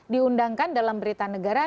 diundangkan dalam berita negara